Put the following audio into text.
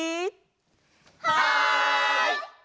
はい！